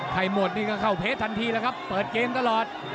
หมดนี่ก็เข้าเพชรทันทีแล้วครับเปิดเกมตลอด